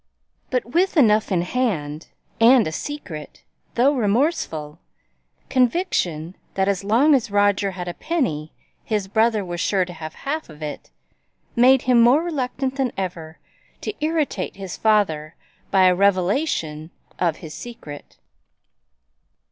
But with enough in hand, and a secret, though remorseful, conviction that as long as Roger had a penny his brother was sure to have half of it, made him more reluctant than ever to irritate his father by a revelation of his secret.